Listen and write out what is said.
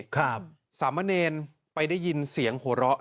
สามเณรไปได้ยินเสียงหัวเราะ